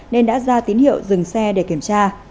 nên đã ra tín hiệu dừng xe để kiểm tra